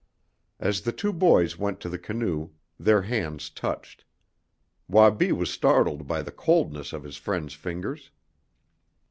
As the two boys went to the canoe their hands touched. Wabi was startled by the coldness of his friend's fingers.